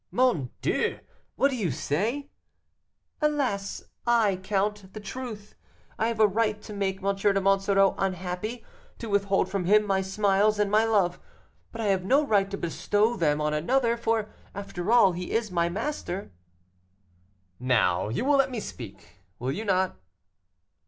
"Mon Dieu! What do you say?" "Alas I count, the truth; I have a right to make M. de Monsoreau unhappy, to withhold from him my smiles and my love, but I have no right to bestow them on another: for, after all, he is my master." "Now, you will let me speak, will you not?"